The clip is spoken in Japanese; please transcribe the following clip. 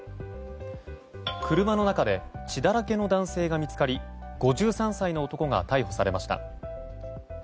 車の中で血だらけの男性が見つかり５３歳の男が逮捕されました。